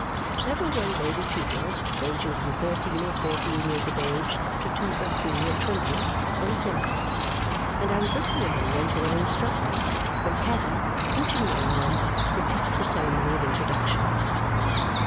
Several young lady pupils, ranging from thirteen or fourteen years of age to two or three and twenty, were assembled; and I was looking among them for their instructor when Caddy, pinching my arm, repeated the ceremony of introduction.